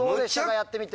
やってみて。